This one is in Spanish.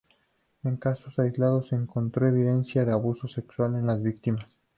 En casos aislados, se encontró evidencia de abuso sexual en las víctimas.